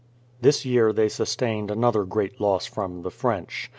This year they sustained another great loss from the French.